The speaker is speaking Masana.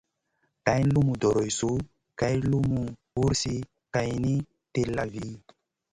Geyn lumu doreissou geyn lumu wursi kayni tilla vi.